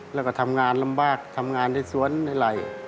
แล้วก็ทำงานลำบากทำงานในสวนในไหล่